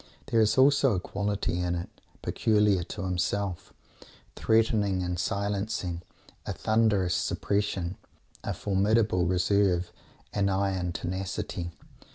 There is also a quality in it peculiar to himself threatening and silencing; a thunderous suppression, a formidable reserve, an iron tenacity.